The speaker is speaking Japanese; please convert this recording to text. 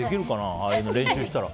ああいうの、練習したら。